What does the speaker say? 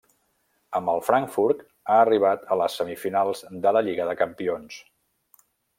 Amb el Frankfurt ha arribat a les semifinals de la Lliga de Campions.